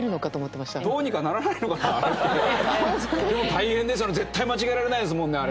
大変ですよね絶対間違えられないですもんね。